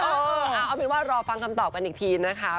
เอาเป็นว่ารอฟังคำตอบกันอีกทีนะคะ